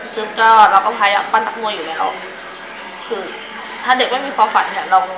ปุ๊บก็เราก็พยายามปั้นนักมวยอยู่แล้วคือถ้าเด็กไม่มีความฝันเนี่ยเรา